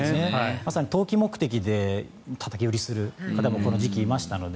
まさに投機目的でたたき売りする方もこの時期にはいましたので。